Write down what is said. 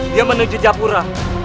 dia menuju japura